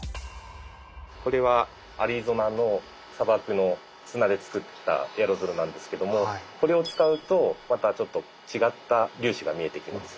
これはアリゾナの砂漠の砂で作ったエアロゾルなんですけどもこれを使うとまたちょっと違った粒子が見えてきます。